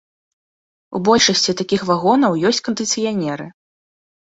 У большасці такіх вагонаў ёсць кандыцыянеры.